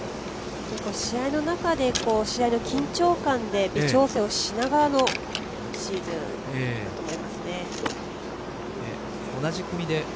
試合の中で試合の緊張感で微調整をしながらのシーズンだと思いますね。